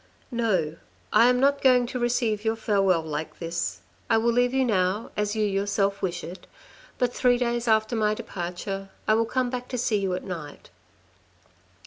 " No, I am not going to receive your farewell like this. I will leave you now, as you yourself wish it. But three days after my departure I will come back to see you at night."